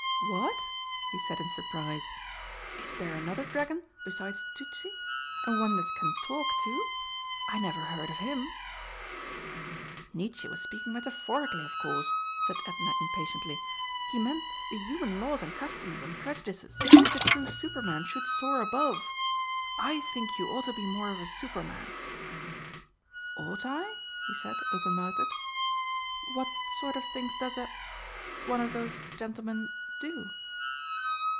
'" "What?" he said in surprise. "Is there another dragon besides Tützi? And one that can talk, too! I never heard of him!" "Nietzsche was speaking metaphorically, of course," said Edna impatiently. "He meant the human laws and customs and prejudices which a true Superman should soar above. I think you ought to be more of a Superman." "Ought I?" he said, open mouthed. "What sort of things does a one of those gentlemen do?"